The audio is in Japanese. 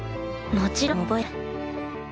もちろん覚えてる。